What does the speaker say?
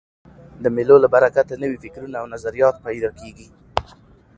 د مېلو له برکته نوي فکرونه او نظریات پیدا کېږي.